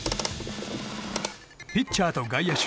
ピッチャーと外野手